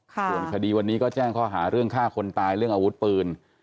ส่วนคดีวันนี้ก็แจ้งข้อหาเรื่องฆ่าคนตายเรื่องอาวุธปืน